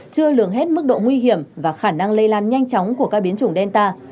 chưa lường hết mức độ nguy hiểm và khả năng lây lan nhanh chóng của các biến chủng delta